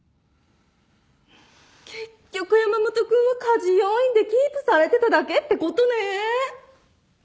結局山本君は家事要員でキープされてただけってことね。